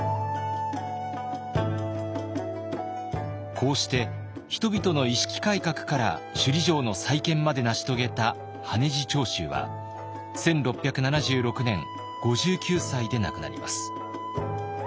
こうして人々の意識改革から首里城の再建まで成し遂げた羽地朝秀は１６７６年５９歳で亡くなります。